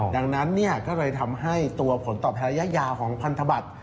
ดังนั้นก็เลยทำให้ตัวผลตอบแทนระยะยาวของพันธบัตร